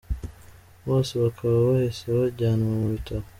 Bose bakaba bahise bajyanwa mu bitaro.